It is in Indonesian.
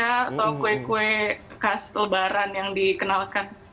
atau kue kue khas lebaran yang dikenalkan